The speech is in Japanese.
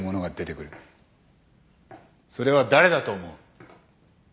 それは誰だと思う？